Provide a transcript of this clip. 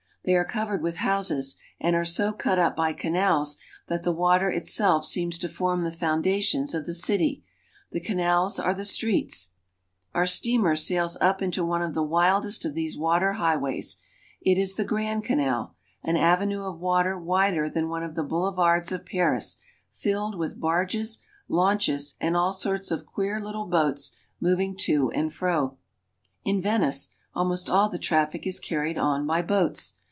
They are covered with houses and are so cut up by canals that the water itself seems to form the foundations of the city ; the canals are the streets. Grand Canal and the Rialto. 394 ITALY. Our steamer sails up into one of the widest of these water highways. It is the Grand Canal, an avenue of water wider than one of the boulevards of Paris, filled with barges, launches, and all sorts of queer little boats moving to and fro. In Venice almost all the traffic is carried on by boats.